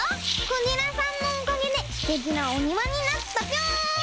クジラさんのおかげですてきなおにわになったぴょん！